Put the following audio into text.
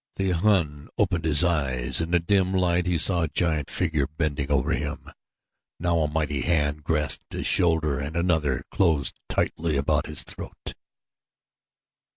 The Hun opened his eyes. In the dim light he saw a giant figure bending over him. Now a mighty hand grasped his shoulder and another closed lightly about his throat.